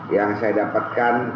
yang saya dapatkan